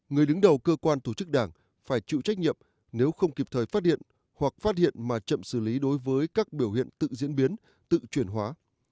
người đứng đầu cơ quan tổ chức đảng phải chịu trách nhiệm nếu không kịp thời phát điện hoặc phát hiện mà chậm xử lý đối với các biểu hiện tự diễn biến tự chuyển hóa